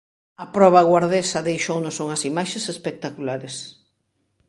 A proba guardesa deixounos unhas imaxes espectaculares.